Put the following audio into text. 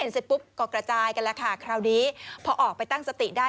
เสร็จปุ๊บก็กระจายกันแล้วค่ะคราวนี้พอออกไปตั้งสติได้